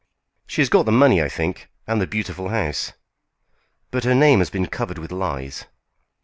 "] "She has got the money, I think, and the beautiful house." "But her name has been covered with lies."